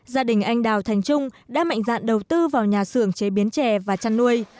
gia đình anh đào thành trung đã mạnh dạn đầu tư vào nhà xưởng chế biến chè và chăn nuôi